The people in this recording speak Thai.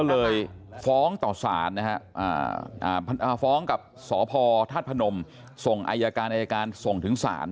ก็เลยฟ้องต่อศาลนะฮะฟ้องกับสพทพส่งอายการส่งถึงศาล